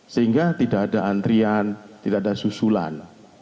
sehingga tidak ada antrian tidak ada susulan